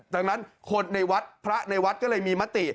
ดังนั้นคนในวัดพระในวัดก็เลยมีมติ